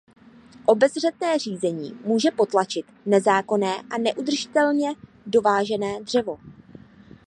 Obezřetné řízení může potlačit nezákonné a neudržitelně dovážené dřevo.